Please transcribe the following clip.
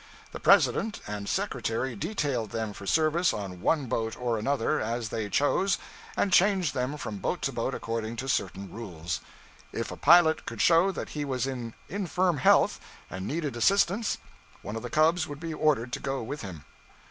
The president and secretary detailed them for service on one boat or another, as they chose, and changed them from boat to boat according to certain rules. If a pilot could show that he was in infirm health and needed assistance, one of the cubs would be ordered to go with him.